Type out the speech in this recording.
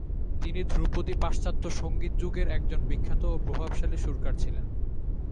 তিনি ধ্রুপদী পাশ্চাত্য সঙ্গীত যুগের একজন বিখ্যাত ও প্রভাবশালী সুরকার ছিলেন।